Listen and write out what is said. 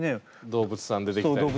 動物さん出てきたりとか。